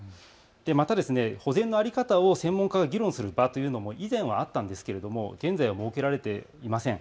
また保全の在り方を専門家が議論するという場も以前はあったんですが現在は設けられていません。